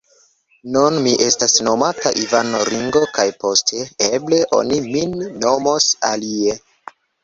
Nun mi estas nomata Ivano Ringo kaj poste, eble, oni min nomos alie.